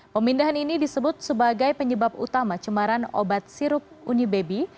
pemindahan ini disebut sebagai penyebab utama cemaran obat sirup unibaby